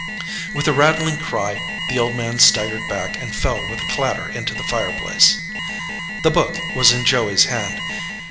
With a rattling cry, the old man staggered back and fell with a clatter into the fireplace. The book was in Joey's hand.